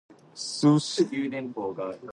Sushi